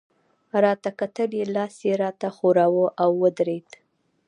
راته کتل يې، لاس يې راته ښوراوه، او ودرېد.